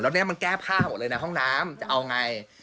แล้วแม้มันแก้ผ้าจับหมดเลยได้ข้างน้ำจะเอายังไง